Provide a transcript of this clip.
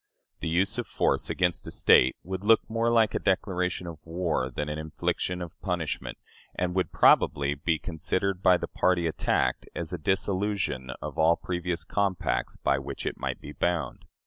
The use of force against a State would look more like a declaration of war than an infliction of punishment, and would probably be considered by the party attacked as a dissolution of all previous compacts by which it might be bound.